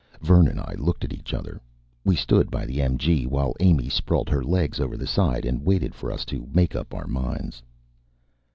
Vern and I looked at each other. We stood by the MG, while Amy sprawled her legs over the side and waited for us to make up our minds.